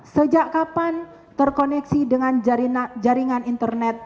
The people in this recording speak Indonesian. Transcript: sejak kapan terkoneksi dengan jaringan internet